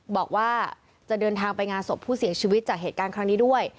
บอกว่าจะเดินทางไปงานศพผู้เสียชีวิตจากเหตุการณ์ครั้งนี้ด้วย